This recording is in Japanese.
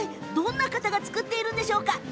どんな方が作っているのでしょうか。